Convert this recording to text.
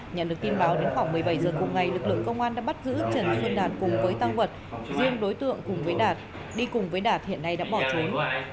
nhận được tin báo đến khoảng một mươi bảy h cùng ngày lực lượng công an đã bắt giữ trần xuân đạt cùng với tăng vật riêng đối tượng cùng với đạt đi cùng với đạt hiện nay đã bỏ trốn